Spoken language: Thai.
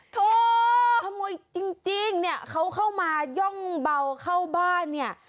ขโมยจริงเนี่ยเขาเข้ามาย่องเบาเข้าบ้านเนี่ย